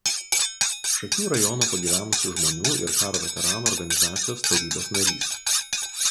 Šakių rajono pagyvenusių žmonių ir karo veteranų organizacijos tarybos narys.